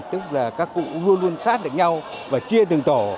tức là các cụ luôn luôn sát được nhau và chia từng tổ